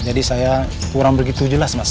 jadi saya kurang begitu jelas mas